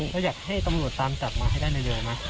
แล้วอยากให้ตำรวจตามจับมาให้ได้เร็วไหม